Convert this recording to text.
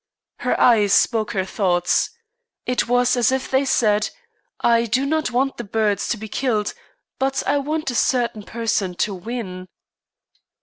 Her eyes spoke her thoughts. It was as if they said: "I do not want the birds to be killed, but I want a certain person to win."